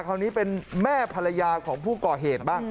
คราวนี้เป็นแม่ภรรยาของผู้ก่อเหตุบ้าง